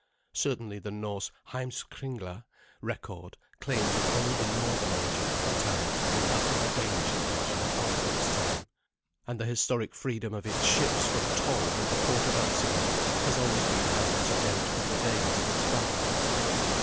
Certainly the Norse "Heimskringla" record claims an older northern origin for the town than that of the Danish invasion of Alfred's time; and the historic freedom of its ships from toll in the port of Elsinore has always been held to date from the days of its founder.